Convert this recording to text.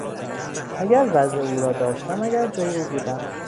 اگر وضع او را داشتم، اگر جای او بودم.